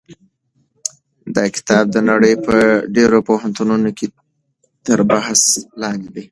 دا کتاب د نړۍ په ډېرو پوهنتونونو کې تر بحث لاندې دی.